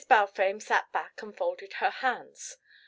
Balfame sat back and folded her hands.